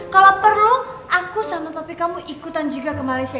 kalau perlu aku sama papa ikutan juga ke malaysia